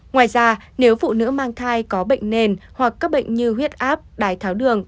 ngoài ra nếu phụ nữ mang thai có bệnh nền hoặc các bệnh như huyết áp đái tháo đường